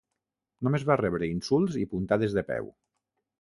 Només va rebre insults i puntades de peu.